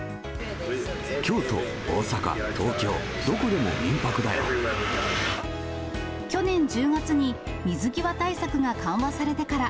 京都、大阪、東京、どこでも去年１０月に、水際対策が緩和されてから、